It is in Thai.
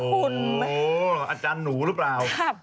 โอ้โฮอาจารย์หนูหรือเปล่า